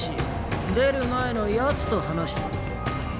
出る前の奴と話した。